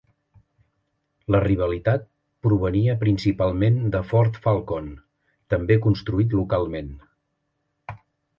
La rivalitat provenia principalment de Ford Falcon, també construït localment.